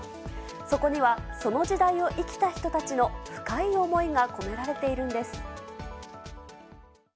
そこには、その時代を生きた人たちの深い思いが込められているんです。